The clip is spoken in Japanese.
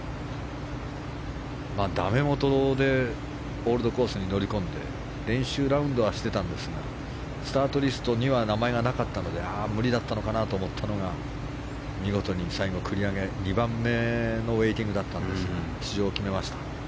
だめもとでオールドコースに乗り込んで練習ラウンドはしてたんですがスタートリストには名前がなかったので無理だったのかなと思ったのが見事に最後、繰り上げ２番目のウェイティングだったんですが出場を決めました。